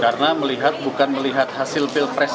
karena melihat bukan melihat hasil pilpres